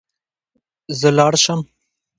زه لاړ شم